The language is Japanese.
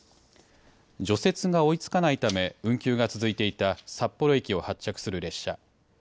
除雪が追いつかないため運休が続いていた札幌駅を発着する列車。